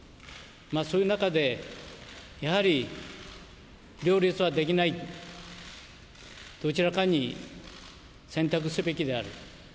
そういう中で、やはり両立はできない、どちらかに選択すべきである。